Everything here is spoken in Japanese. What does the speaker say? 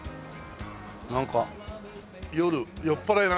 なんか夜酔っ払いが。